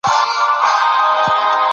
تاریخي کتابونه موږ ته ډېر څه راښيي.